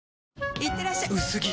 いってらっしゃ薄着！